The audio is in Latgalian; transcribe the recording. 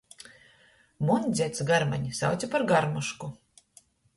Muns dzeds garmani sauce par garmošku.